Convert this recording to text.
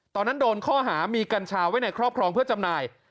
ตอนนั้นโดนข้อหามีกัญชาไว้ในครอบครองเพื่อจำหน่าย